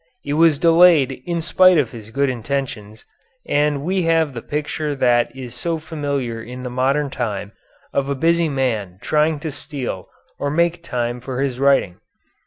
It was delayed in spite of his good intentions, and we have the picture that is so familiar in the modern time of a busy man trying to steal or make time for his writing.